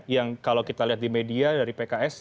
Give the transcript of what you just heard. yang kalau kita lihat di media dari pks